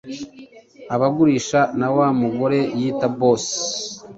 abagurisha na wa mugore yita 'boss',